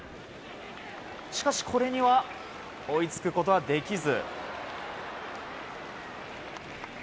しかし、これには追いつくことはできず。